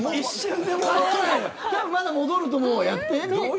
まだ戻ると思う、やって。